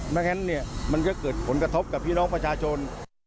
เพราะฉะนั้นมันก็เกิดผลกระทบกับพี่น้องประชาชน